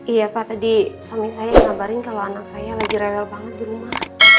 iya pak tadi suami saya ngabarin kalau anak saya lagi rewel banget di rumah